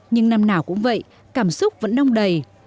nhưng năm nào cũng vậy cảm xúc vẫn đông đầy